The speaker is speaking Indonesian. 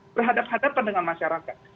berhadapan hadapan dengan masyarakat